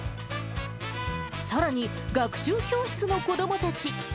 さらに学習教室の子どもたち。